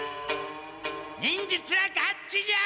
忍術はガッツじゃ！